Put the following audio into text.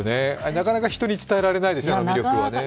なかなか人に伝えられないですよね、あの魅力はね。